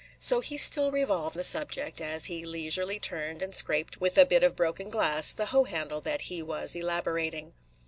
So he still revolved the subject, as he leisurely turned and scraped with a bit of broken glass the hoe handle that he was elaborating.